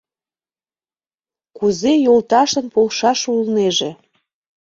Кузе йолташлан полшаш улнеже?